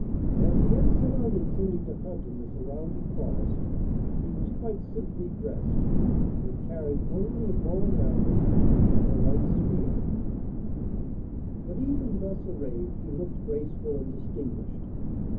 As he had set out intending to hunt in the surrounding forest he was quite simply dressed, and carried only a bow and arrows and a light spear; but even thus arrayed he looked graceful and distinguished.